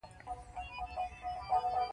د ځان بسیاینې نشتوالی هیوادونه اړیکو ته هڅوي